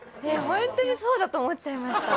ホントにそうだと思っちゃいました